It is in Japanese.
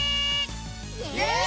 イエイ！